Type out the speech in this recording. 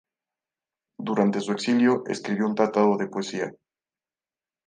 Durante su exilio escribió un tratado de poesía.